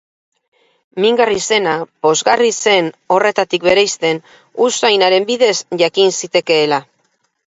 Mingarri zena pozgarri zen horretatik bereizten usainaren bidez jakin zitekeela.